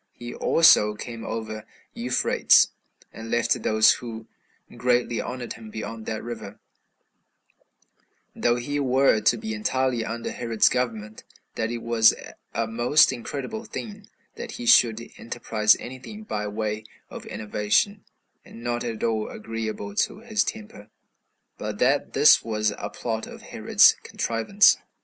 He also came over Euphrates, and left those who greatly honored him beyond that river, though he were to be entirely under Herod's government; and that it was a most incredible thing that he should enterprise any thing by way of innovation, and not at all agreeable to his temper, but that this was a plot of Herod's contrivance.